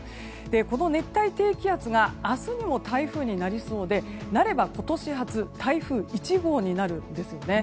この熱帯低気圧が明日にも台風になりそうでなれば今年初台風１号になるんですね。